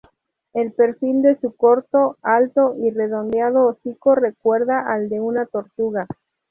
El perfil de su corto, alto y redondeado hocico recuerda al de una tortuga.